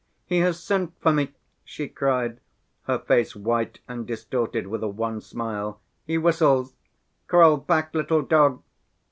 "He has sent for me," she cried, her face white and distorted, with a wan smile; "he whistles! Crawl back, little dog!"